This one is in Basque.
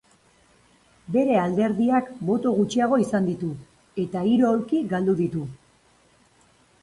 Bere alderdiak boto gutxiago izan ditu, eta hiru aulki galdu ditu.